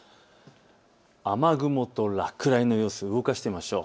雨雲と落雷の様子、動かしてみましょう。